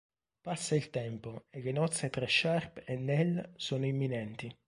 Passa il tempo e le nozze tra Sharp e Nell sono imminenti.